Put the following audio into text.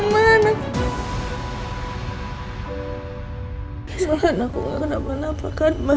suara anakku nggak kenapa napa kan ma